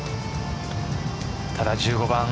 ただ１５番。